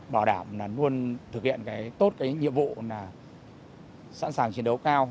bảo đảm là luôn thực hiện tốt cái nhiệm vụ sẵn sàng chiến đấu cao